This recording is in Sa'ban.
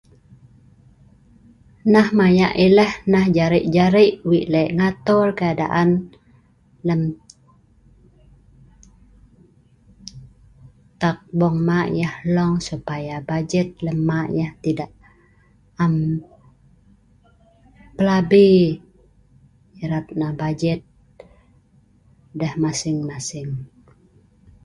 Nah maya eleh nah jarei' jarei' weik' lek ngatol keadaan lem tabong hma yeh hlong supaya bajet lem hma yeh tidak.. am plabi erat nah bajet deh masing masing